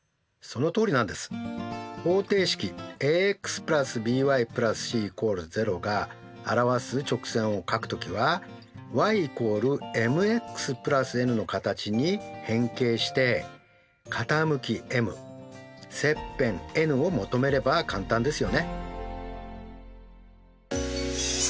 方程式ａｘ＋ｂｙ＋ｃ＝０が表す直線をかくときはｙ＝ｍｘ＋ｎの形に変形して傾きｍ切片ｎを求めれば簡単ですよね。